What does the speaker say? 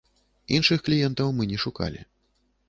Іншых кліентаў мы не шукалі.